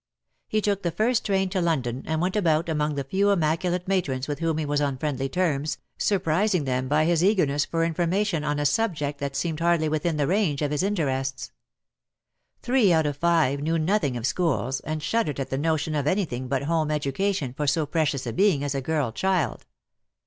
He took the first train to London and went about among the few immaculate matrons with whom he was on friendly terms, sur prising them by his eagerness for information on a subject that seemed hardly within the range of his interests. Three out of five knew nothing of schools, and shuddered at the notion of anything but home education for so precious a being as a girl child.